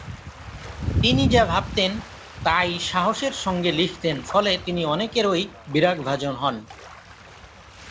তিনি যা ভাবতেন তাই সাহসের সঙ্গে লিখতেন ফলে তিনি অনেকেরই বিরাগভাজন হন।